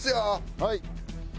はい。